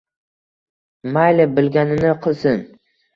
Mayli, bilganini qilsin